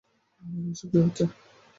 Mary এসব কি হচ্ছে!